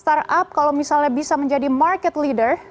startup kalau misalnya bisa menjadi market leader